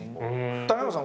谷原さん